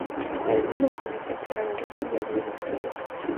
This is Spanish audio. A decir de las crónicas, era valiente y hábil en el combate.